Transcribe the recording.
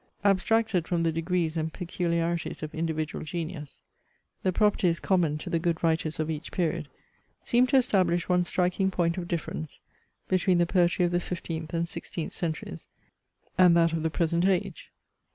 Abstracted from the degrees and peculiarities of individual genius, the properties common to the good writers of each period seem to establish one striking point of difference between the poetry of the fifteenth and sixteenth centuries, and that of the present age.